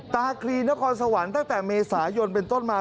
คลีนครสวรรค์ตั้งแต่เมษายนเป็นต้นมา